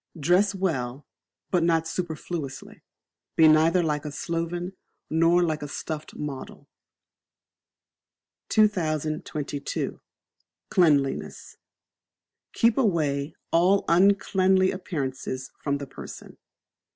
Dress Well, but not superfluously; be neither like a sloven, nor like a stuffed model. 2022. Cleanliness. Keep away all Uncleanly Appearances from the person.